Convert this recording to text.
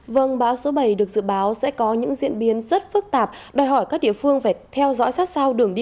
vâng bão số bảy được dự báo sẽ có những diễn biến rất phức tạp đòi hỏi các địa phương phải theo dõi sát sao đường đi